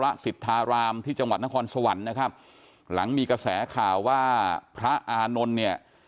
สิทธารามที่จังหวัดนครสวรรค์นะครับหลังมีกระแสข่าวว่าพระอานนท์เนี่ย